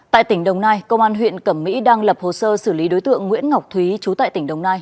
tại tỉnh đồng nai công an huyện cẩm mỹ đang lập hồ sơ xử lý đối tượng nguyễn ngọc thúy trú tại tỉnh đồng nai